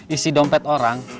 isi dompet orang